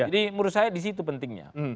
jadi menurut saya di situ pentingnya